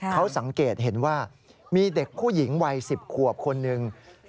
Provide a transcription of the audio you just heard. เขาสังเกตเห็นว่ามีเด็กผู้หญิงวัย๑๐ขวบคนหนึ่ง